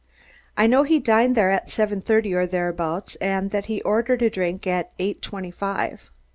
"I know he dined there at seven thirty or thereabouts and that he ordered a drink at eight twenty five."